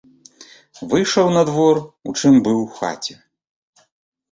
Выйшаў на двор у чым быў у хаце.